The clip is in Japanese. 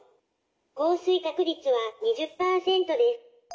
降水確率は２０％です」。